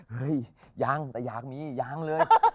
เฮ้ยยังแต่อยากมียังเลย